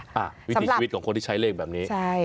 สำหรับวิถีชีวิตของคนที่ใช้เลขแบบนี้